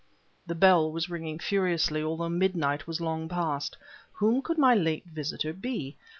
The bell was ringing furiously, although midnight was long past. Whom could my late visitor be?